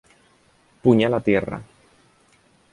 Puñal a tierra.